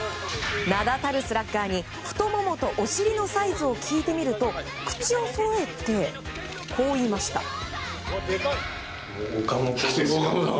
名だたるスラッガーに太ももとお尻のサイズを聞いてみると口をそろえてこう言いました。